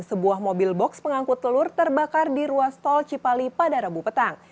sebuah mobil box pengangkut telur terbakar di ruas tol cipali pada rabu petang